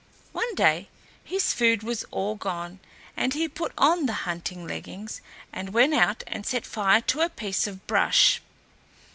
One day his food was all gone, and he put on the hunting leggings and went out and set fire to a piece of brush.